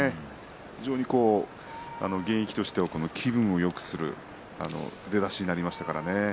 非常に現役としては気分をよくする出だしになりましたからね。